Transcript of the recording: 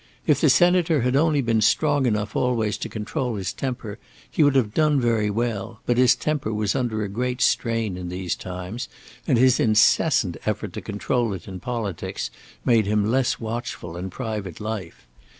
If the senator had only been strong enough always to control his temper, he would have done very well, but his temper was under a great strain in these times, and his incessant effort to control it in politics made him less watchful in private life.